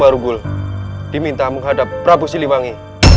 rakyat amuk marug diminta menghadapi rakyat siliwangi